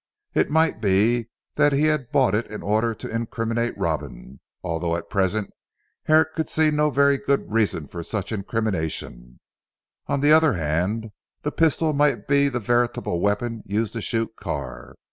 It might be that he had bought it in order to incriminate Robin although at present Herrick could see no very good reason for such incrimination on the other hand the pistol might be the veritable weapon used to shoot Carr.